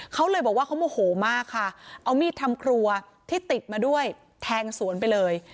เขาเลยบอกว่าเขาโมโหมากค่ะเอามีดทำครัวที่ติดมาด้วยแทงสวนไปเลย